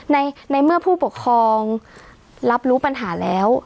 ในเมื่อผู้ปกครองรับรู้ปัญหาแล้ว